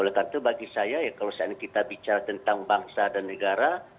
oleh karena itu bagi saya ya kalau saat ini kita bicara tentang bangsa dan negara